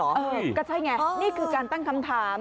เออก็ใช่ไงนี่คือการตั้งคำถาม